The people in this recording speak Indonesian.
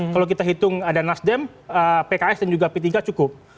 kalau kita hitung ada nasdem pks dan juga p tiga cukup